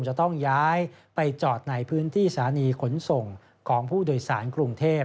จะต้องย้ายไปจอดในพื้นที่สถานีขนส่งของผู้โดยสารกรุงเทพ